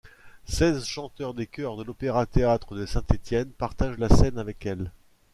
Seize chanteurs des chœurs de l'opéra-théâtre de Saint-Étienne partagent la scène avec elle.